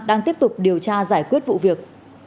đang tiếp tục điều tra giải quyết vụ việc